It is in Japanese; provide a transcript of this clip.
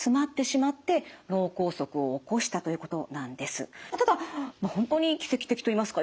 そしてただ本当に奇跡的といいますか。